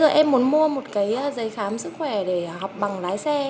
bây giờ em muốn mua một cái giấy khám sức khỏe để học bằng lái xe